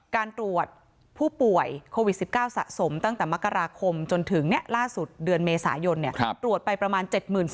การตรวจผู้ป่วยโควิด๑๙สะสมตั้งแต่มกราคมจนถึงล่าสุดเดือนเมษายนตรวจไปประมาณ๗๐๐